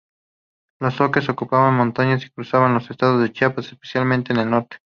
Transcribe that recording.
Los Zoques ocupaban montañas que cruzaban el Estado de Chiapas, especialmente en el Norte.